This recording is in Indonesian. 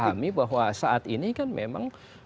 pahami bahwa saat ini kan memang